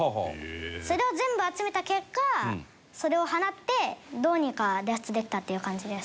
それを全部集めた結果それを放ってどうにか脱出できたっていう感じです。